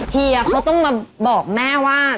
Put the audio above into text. เฮียเขาต้องมาบอกแม่ว่า